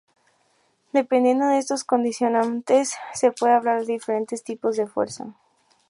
Dependiendo de estos condicionantes se puede hablar de diferentes tipos de fuerza.